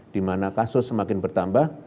dimana kasus semakin bertambah